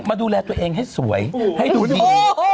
ดูแลตัวเองให้สวยให้ดูดี